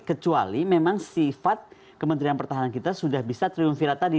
kecuali memang sifat kementerian pertahanan kita sudah bisa triliun vira tadi